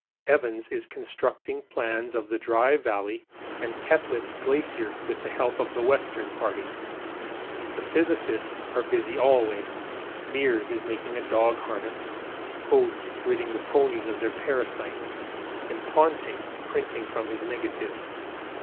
Evans is constructing plans of the Dry Valley and Koettlitz Glacier with the help of the Western Party. The physicists are busy always, Meares is making dog harness, Oates ridding the ponies of their parasites, and Ponting printing from his negatives.